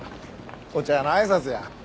お茶屋のあいさつや。